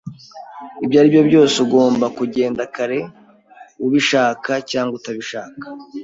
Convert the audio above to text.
Ibyo ari byo byose, ugomba kugenda kare, ubishaka cyangwa utabishaka.